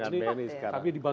kita sekarang bulan september